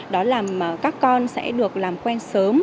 đó là các con sẽ được làm quen sớm